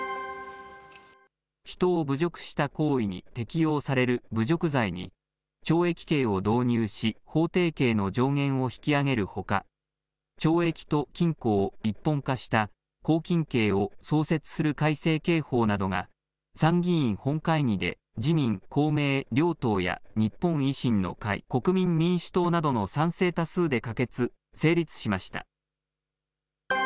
人を侮辱した行為に適用される侮辱罪に、懲役刑を導入し、法定刑の上限を引き上げるほか、懲役と禁錮を一本化した拘禁刑を創設する改正刑法などが、参議院本会議で自民、公明両党や日本維新の会、国民民主党などの賛成多数で可決・成立しました。